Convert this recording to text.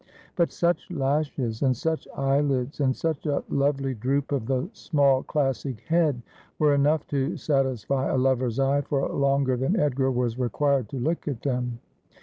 But such lashes, and such eyelids, and such a lovely droop of the small classic head, were enough to satisfy a lover's eye for longer than Edgar was required to look at them.